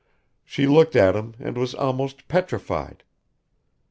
. She looked at him and was almost petrified.